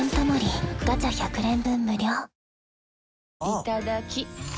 いただきっ！